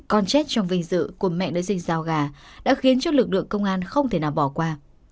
con chết trong vinh dự của mẹ nữ sinh sao gà đã khiến cho lực lượng công an không thể nào bỏ qua